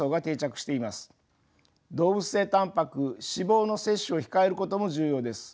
動物性たんぱく脂肪の摂取を控えることも重要です。